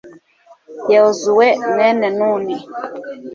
yozuwe, mwene nuni